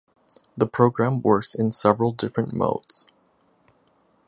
The program works in several different modes.